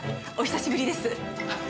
お久しぶりです。